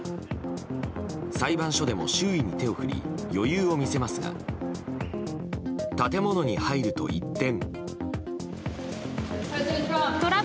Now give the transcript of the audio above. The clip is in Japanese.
裁判でも周囲に手を振り余裕を見せますが建物に入ると一転。